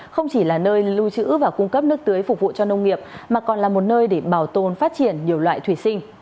không chỉ là nơi lưu trữ và cung cấp nước tưới phục vụ cho nông nghiệp mà còn là một nơi để bảo tồn phát triển nhiều loại thủy sinh